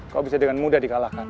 kok bisa dengan mudah dikalahkan